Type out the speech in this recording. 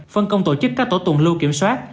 phân công tổ chức các tổ tùng lưu kiểm soát